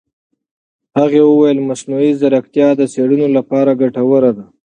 هغې وویل مصنوعي ځیرکتیا د څېړنو لپاره ګټوره ده.